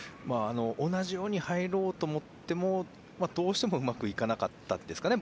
同じように入ろうと思ってもどうしてもうまくいかなかったんですね。